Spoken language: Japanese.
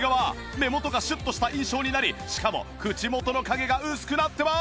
目元がシュッとした印象になりしかも口元の影が薄くなってます！